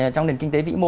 trong nền kinh tế vĩ mô